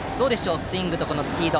スイングとこのスピード。